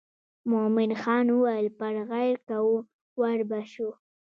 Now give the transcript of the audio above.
مومن خان وویل پر غیر کوو ور به شو.